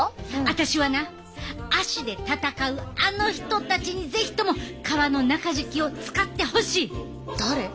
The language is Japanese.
私はな足で戦うあの人たちに是非とも革の中敷きを使ってほしい！だれ？